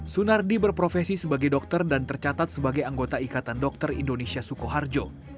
sunardi berprofesi sebagai dokter dan tercatat sebagai anggota ikatan dokter indonesia sukoharjo